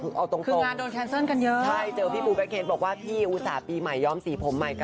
คอนเฟิร์มว่าแคนเซิร์มสินะ